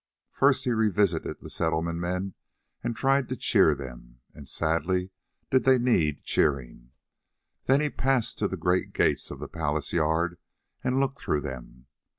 First he revisited the Settlement men and tried to cheer them, and sadly did they need cheering. Then he passed to the great gates of the palace yard and looked through them.